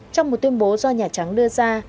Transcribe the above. trong một tuyên bố do nhà trắng đưa ra